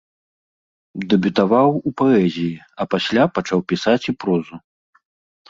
Дэбютаваў у паэзіі, а пасля пачаў пісаць і прозу.